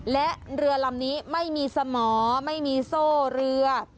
และเรือลำนี้ไม่มีสมอไม่มีโซ่เรือ